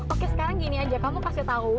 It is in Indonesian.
oke sekarang gini aja kamu kasih tahu